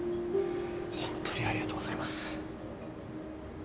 ホントにありがとうございます。